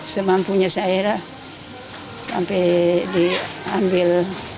semampunya saya sampai diambil